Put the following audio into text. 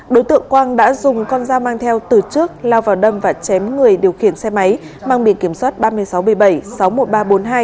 đối tượng quang đã dùng con dao mang theo từ trước lao vào đâm và chém người điều khiển xe máy mang biển kiểm soát ba mươi sáu b bảy sáu mươi một nghìn ba trăm bốn mươi hai